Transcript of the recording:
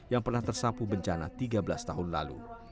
yang pernah tersapu bencana tiga belas tahun lalu